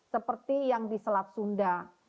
seperti yang di selat sunda